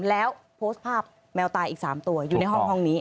แล้วโพสต์ภาพแมวตายอีก๓ตัวอยู่ในห้องนี้